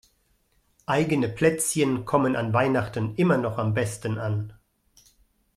Eigene Plätzchen kommen an Weihnachten immer noch am besten an.